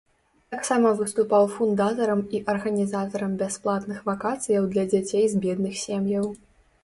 Таксама выступаў фундатарам і арганізатарам бясплатных вакацыяў для дзяцей з бедных сем'яў.